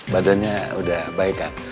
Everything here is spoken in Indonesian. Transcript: badannya udah baik kan